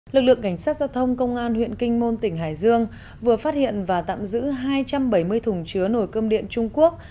lực lượng cảnh sát giao thông công an huyện kinh môn tỉnh hải dương vừa phát hiện và tạm giữ hai trăm bảy mươi thùng chứa nồi cơm điện trung quốc